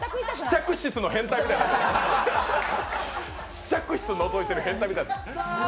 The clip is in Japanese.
試着室のぞいてる変態みたいになってるから。